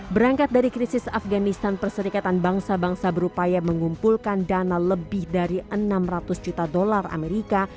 berangkat dari krisis afganistan perserikatan bangsa bangsa berupaya mengumpulkan dana lebih dari enam ratus juta dolar amerika